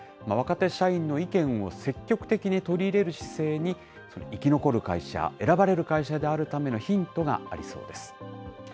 若手社員の意見を積極的に取り入れる姿勢に、生き残る会社、選ばれる会社であるためのヒントがありそうです。